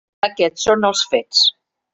Aquests són els fets.